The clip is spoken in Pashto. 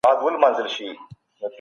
شهزادگي د افغانانو سره جگړه ونه کړه.